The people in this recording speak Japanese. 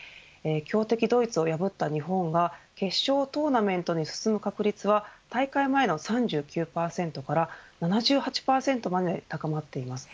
強敵ドイツを破った日本が決勝トーナメントに進む確率は大会前の３９％から７８％までに高まっています。